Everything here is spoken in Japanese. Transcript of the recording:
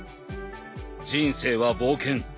人生は冒険。